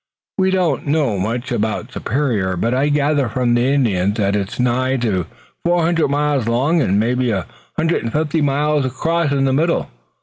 We don't know much about Superior, but I gather from the Indians that it's nigh to four hundred miles long, and maybe a hundred and fifty miles across in the middle.